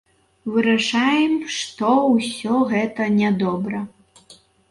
Вырашаем, што ўсё гэта нядобра.